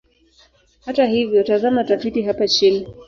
Hata hivyo, tazama tafiti hapa chini.